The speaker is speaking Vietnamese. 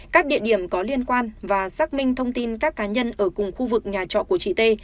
các địa điểm có liên quan và xác minh thông tin các cá nhân ở cùng khu vực nhà trọ của chị t